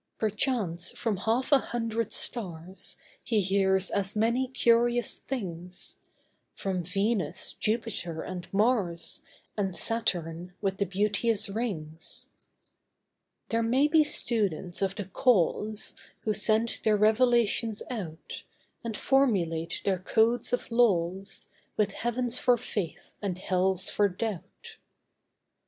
Perchance from half a hundred stars He hears as many curious things; From Venus, Jupiter and Mars, And Saturn with the beauteous rings, There may be students of the Cause Who send their revelations out, And formulate their codes of laws, With heavens for faith and hells for doubt.